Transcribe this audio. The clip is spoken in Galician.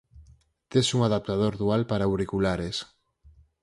Tes un adaptador dual para auriculares.